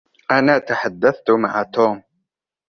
أنا تحدثت مع توم.